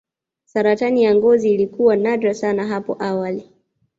saratani ya ngozi ilikuwa nadra sana hapo awali